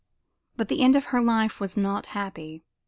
But the end of her life was not happy.